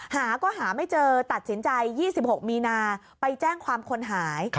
หาก็หาไม่เจอตัดสินใจ๒๖มีนาไปแจ้งความคนหาย